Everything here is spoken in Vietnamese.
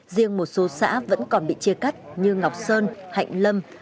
riêng một số xã vẫn còn bị chia cắt như ngọc sơn hạnh lâm